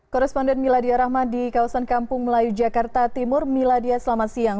korresponden miladia rahma di kawasan kampung melayu jakarta timur miladia selamat siang